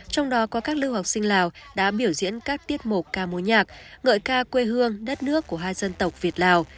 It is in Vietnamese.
trong đó có các lưu học sinh lào đã biểu diễn các tiết mục ca mối nhạc ngợi ca quê hương đất nước của hai dân tộc việt lào